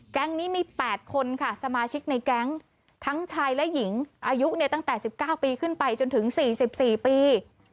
แก๊งนี้มี๘คนค่ะสมาชิกในแก๊งทั้งชายและหญิงอายุตั้งแต่๑๙ปีขึ้นไปจนถึง๔๔ปี